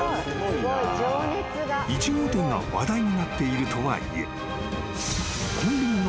［１号店が話題になっているとはいえ］